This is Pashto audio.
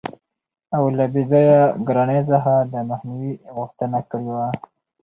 او له بې ځایه ګرانۍ څخه دمخنیوي غوښتنه کړې وه.